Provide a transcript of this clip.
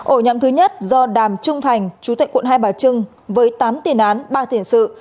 ổ nhóm thứ nhất do đàm trung thành chú tệ quận hai bà trưng với tám tiền án ba tiền sự